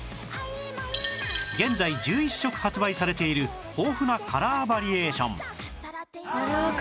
現在１１色発売されている豊富なカラーバリエーション